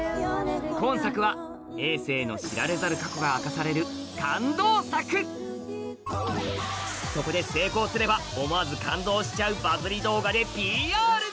今作は政の知られざる過去が明かされるそこで成功すれば思わず感動しちゃうバズり動画でＰＲ